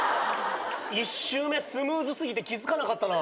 １周目スムーズすぎて気付かなかったな。